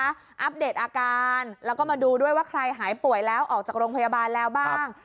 อัปเดตอาการแล้วก็มาดูด้วยว่าใครหายป่วยแล้วออกจากโรงพยาบาลแล้วบ้าง